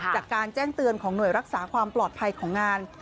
จากการแจ้งเตือนของหน่วยรักษาความปลอดภัยของงาน